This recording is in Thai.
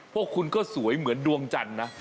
พวกคุณก็สวยเหมือนดวงจันทร์นะ